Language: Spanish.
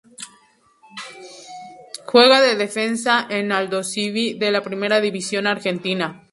Juega de defensa en Aldosivi de la Primera División Argentina.